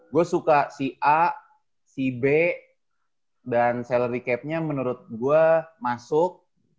gue suka si a si b dan salary capnya menurut gue masuk